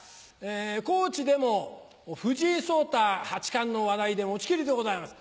高知でも藤井聡太八冠の話題で持ち切りでございます。